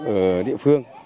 ở địa phương